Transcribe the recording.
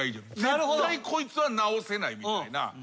絶対こいつは直せないみたいな。